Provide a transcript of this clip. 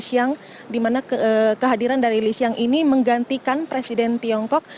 yang di mana kehadiran dari li xiang ini menggantikan presiden tiongkok